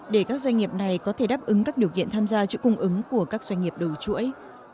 để các doanh nghiệp này có thể đáp ứng các điều kiện tham gia chuỗi cung ứng của các doanh nghiệp đầu chuỗi